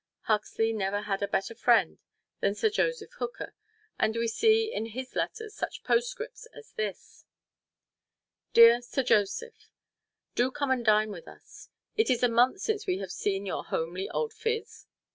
Huxley never had a better friend than Sir Joseph Hooker, and we see in his letters such postscripts as this: "Dear Sir Joseph: Do come and dine with us; it is a month since we have seen your homely old phiz."